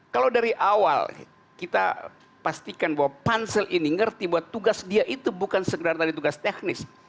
kalau dari awal kita pastikan bahwa pansel ini ngerti bahwa tugas dia itu bukan sekedar tadi tugas teknis